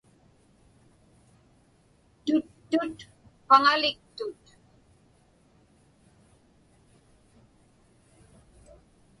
Tuttut paŋaliktut.